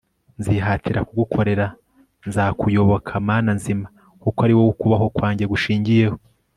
nzihatira kugukorera nzakuyoboka mana nzima kuko ari wowe ukubaho kwanjye gushingiyeho